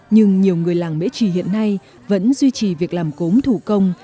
nhưng nhiều người làng mễ trì hiện nay vẫn duy trì việc làm cốm thủ công